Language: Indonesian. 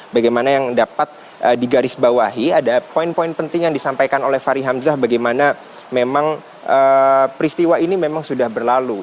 bagaimana yang dapat digarisbawahi ada poin poin penting yang disampaikan oleh fahri hamzah bagaimana memang peristiwa ini memang sudah berlalu